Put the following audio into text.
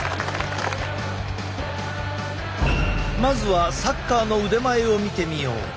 まずはサッカーの腕前を見てみよう。